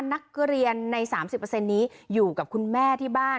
นักเรียนใน๓๐นี้อยู่กับคุณแม่ที่บ้าน